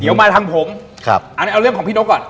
เดี๋ยวมาทางผมเอาเรื่องของพี่โน๊กก่อน